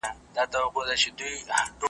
نه بچي مو خریدار لري په ښار کي .